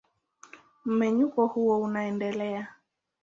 Mmenyuko huo unaendelea.